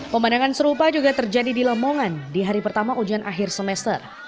pemandangan serupa juga terjadi di lemongan di hari pertama ujian akhir semester